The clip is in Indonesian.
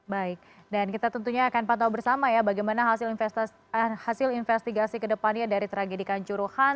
baik dan kita tentunya akan pantau bersama ya bagaimana hasil investigasi kedepannya dari tragedikan juruhan